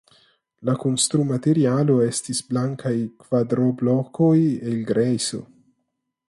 La konstrumaterialo estis blankaj kvadroblokoj el grejso.